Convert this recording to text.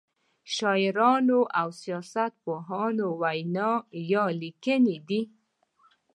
شاعرانو او سیاست پوهانو ویناوی یا لیکنې دي.